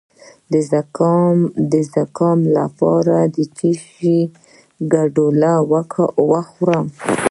د زکام لپاره د څه شي ګډول وخورم؟